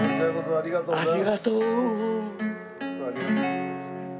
ありがとうございます。